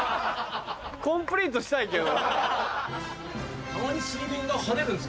コンプリートしたいけど。